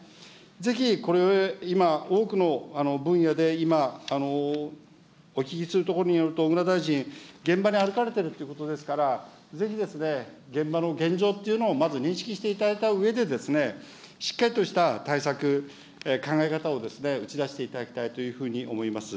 ぜひこれを今、多くの分野で、今、お聞きするところによると、小倉大臣、現場に歩かれてるということですから、ぜひ現場の現状っていうのをまず認識していただいたうえで、しっかりとした対策、考え方を打ち出していただきたいというふうに思います。